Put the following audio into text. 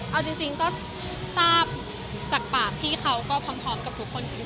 เอาจริงก็ทราบจากปากพี่เขาก็พร้อมกับทุกคนจริง